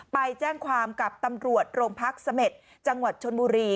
ไปแจ้งความกับตำรวจโรงพักเสม็จจังหวัดชนบุรี